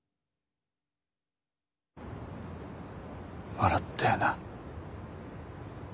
笑ったよな。